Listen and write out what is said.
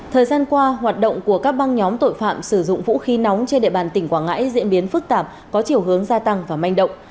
thời gian qua hoạt động của các băng nhóm tội phạm sử dụng vũ khí nóng trên địa bàn tỉnh quảng ngãi diễn biến phức tạp có chiều hướng gia tăng và manh động